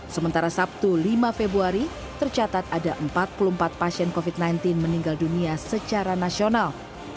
sementara sabtu lima februari tercatat ada empat puluh empat pasien covid sembilan belas meninggal dunia secara nasional